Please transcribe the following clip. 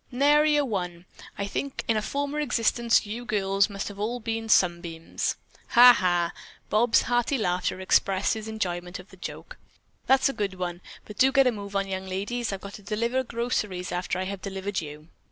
"Nary a one. I think in a former existence you girls must have all been sunbeams." "Ha! ha!" Bob's hearty laughter expressed his enjoyment of the joke. "That's a good one, but do get a move on, young ladies; I've got to deliver groceries after I have delivered you."